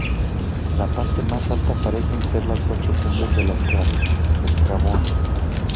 La parte más alta parecen ser las ocho cumbres de las que habla Estrabón.